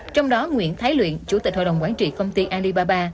trong đó nguyễn thái luyện chủ tịch hội đồng quản trị công ty alibaba